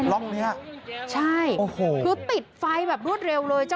ล็อกนี้อ่ะโอ้โหใช่คือติดไฟแบบรวดเร็วเลย